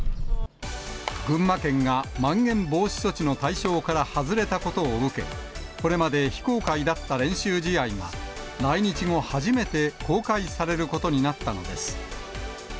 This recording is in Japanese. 群馬県が、まん延防止措置の対象から外れたことを受け、これまで非公開だった練習試合が、来日後初めて公開されることになったのです。